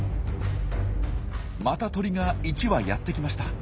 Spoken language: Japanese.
また鳥が１羽やって来ました。